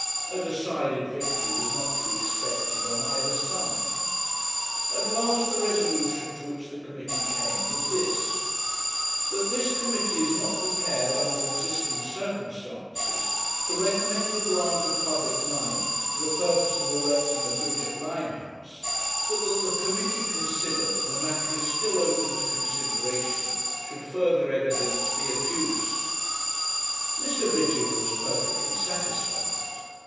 A decided victory was not to be expected on either side. At last the resolution to which the committee came was this: 'That this committee is not prepared, under existing circumstances, to recommend a grant of public money for the purpose of erecting a bridge at Limehouse; but that the committee consider that the matter is still open to consideration should further evidence be adduced.' Mr. Vigil was perfectly satisfied.